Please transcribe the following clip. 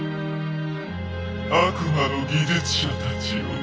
悪魔の技術者たちよ